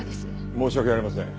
申し訳ありません。